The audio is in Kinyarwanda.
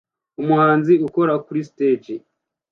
Umuhanzi ukora kuri stage